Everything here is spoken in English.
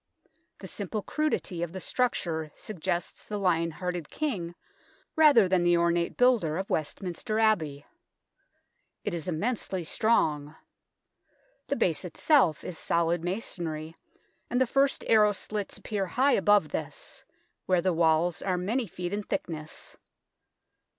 The simple crudity of the structure suggests the Lion hearted King rather than the ornate builder of Westminster Abbey. It is immensely strong. The base itself is solid masonry, and the first arrow slits appear high above this, where the walls are many feet in thickness.